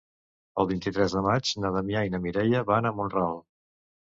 El vint-i-tres de maig na Damià i na Mireia van a Mont-ral.